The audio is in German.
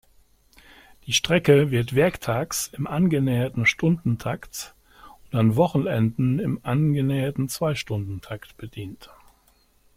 Die Strecke wird werktags im angenäherten Stundentakt und an Wochenenden im angenäherten Zweistundentakt bedient.